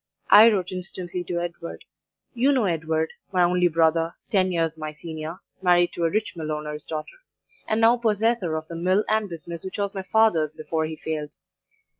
"I wrote instantly to Edward you know Edward my only brother, ten years my senior, married to a rich mill owner's daughter, and now possessor of the mill and business which was my father's before he failed.